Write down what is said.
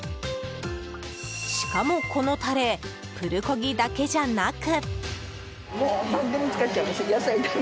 しかも、このタレプルコギだけじゃなく。